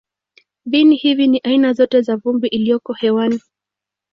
Viini hivi ni aina zote za vumbi iliyoko hewani.